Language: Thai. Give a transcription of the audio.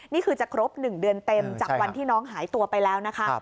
นี่คือจะครบ๑เดือนเต็มจากวันที่น้องหายตัวไปแล้วนะคะ